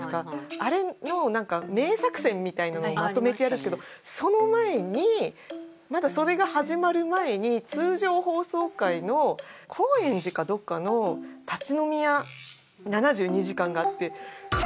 あれの名作選みたいなのをまとめてやるんですけどその前にまだそれが始まる前に通常放送回の高円寺かどっかの立ち飲み屋『７２時間』があって。